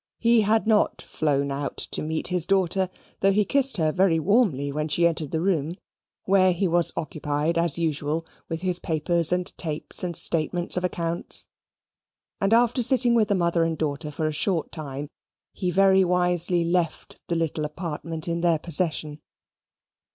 He had not flown out to meet his daughter, though he kissed her very warmly when she entered the room (where he was occupied, as usual, with his papers and tapes and statements of accounts), and after sitting with the mother and daughter for a short time, he very wisely left the little apartment in their possession.